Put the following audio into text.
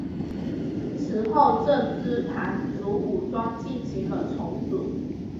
此后这支掸族武装进行了重组。